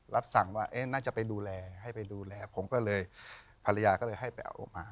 รับสั่งว่าเอ๊ะน่าจะไปดูแลให้ไปดูแลผมก็เลยภรรยาก็เลยให้ไปเอาออกมา